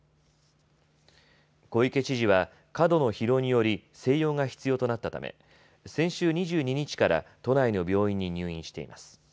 小池知事は過度の疲労により静養が必要となったため先週２２日から都内の病院に入院しています。